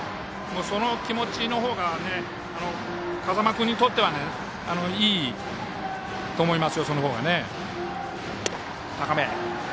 その気持ちのほうが風間君にとってはいいと思います。